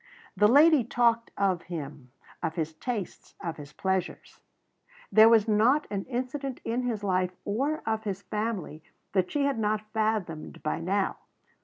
The lady talked of him of his tastes of his pleasures. There was not an incident in his life, or of his family, that she had not fathomed by now.